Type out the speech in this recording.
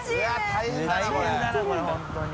大変だなこれ本当に。